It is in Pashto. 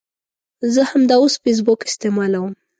زه همداوس فیسبوک استعمالوم